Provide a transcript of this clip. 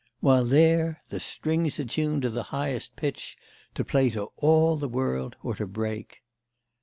While there the strings are tuned to the highest pitch, to play to all the world or to break!